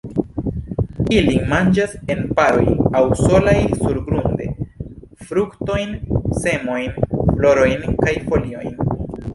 Ili manĝas en paroj aŭ solaj surgrunde, fruktojn, semojn, florojn kaj foliojn.